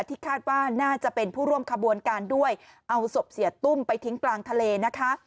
ที่คาดว่าน่าจะเป็นผู้ร่วมขบวนการด้วยเอาศพเสียตุ้มไปทิ้งกลางทะเลนะคะ